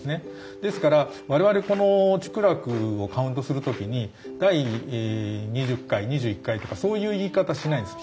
ですから我々この竹楽をカウントする時に第２０回２１回とかそういう言い方しないんですよ。